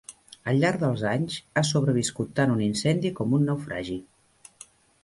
Al llarg dels anys, ha sobreviscut tant un incendi com un naufragi.